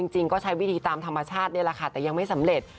จริงก็ใช้วิธีตามธรรมชาตินี่แหละค่ะแต่ยังไม่สำเร็จ